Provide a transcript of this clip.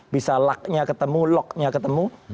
bisa luck nya ketemu lock nya ketemu